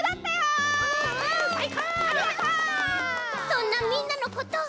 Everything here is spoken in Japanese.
そんなみんなのこと